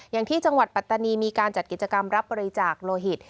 อย่างที่จังหวัดปัตตานีมีการจัดกิจกรรมรับบริจาคโลหิต